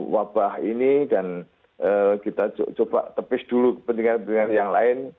wabah ini dan kita coba tepis dulu kepentingan kepentingan yang lain